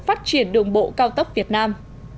phát triển đường bộ cao tốc việt nam